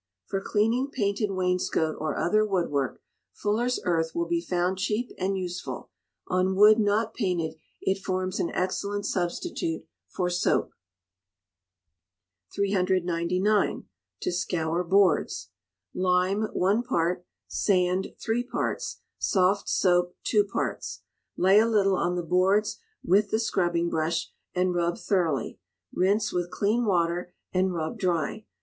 For Cleaning Painted Wainscot or Other Woodwork, fuller's earth will be found cheap and useful: on wood not painted it forms an excellent substitute for soap. 399. To Scour Boards. Lime, one part; sand, three parts; soft soap, two parts. Lay a little on the boards with the scrubbing brush, and rub thoroughly. Rinse with clean water, and rub dry.